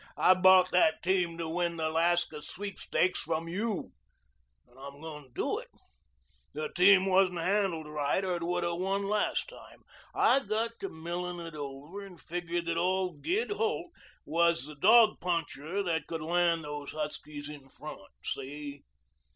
I bought that team to win the Alaska Sweepstakes from you. And I'm goin' to do it. The team wasn't handled right or it would have won last time. I got to millin' it over and figured that old Gid Holt was the dog puncher that could land those huskies in front. See?"